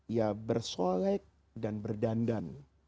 ya bersolek dan berdandan